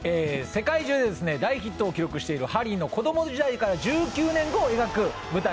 世界中で大ヒットを記録しているハリー・ポッター」の１９年後を描く舞台